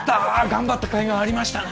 頑張ったかいがありましたね！